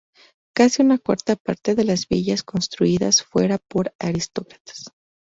Casi una cuarta parte de las villas construidas fuera por aristócratas.